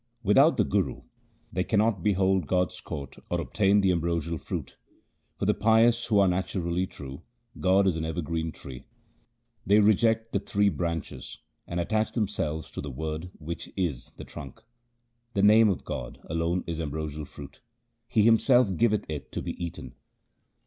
Without the Guru they cannot behold God's court or obtain the ambrosial fruit. For the pious who are naturally true, God is an evergreen tree. They reject the three branches 4 and attach themselves to the Word which is the trunk. The name of God alone is ambrosial fruit ; He Himself giveth it to be eaten.